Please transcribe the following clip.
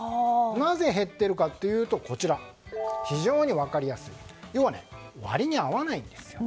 なぜ減っているかというと非常に分かりやすい要は割に合わないんです。